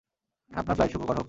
আপনার ফ্লাইট সুখকর হোক।